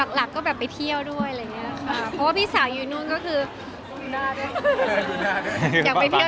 ทั้งแรกคงไม่ได้คิดอะไรนะทุกคนน่าคิดเลย